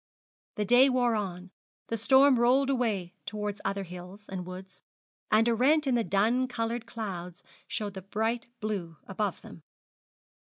The day wore on; the storm rolled away towards other hills and woods; and a rent in the dun coloured clouds showed the bright blue above them.